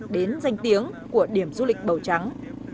đến danh tiếng của điểm du lịch bầu trắng